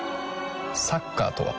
サッカーとは？